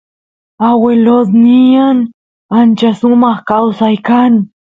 aguelosnyan ancha sumaq kawsay kan